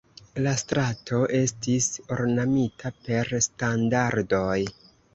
La strato estis ornamita per standardoj.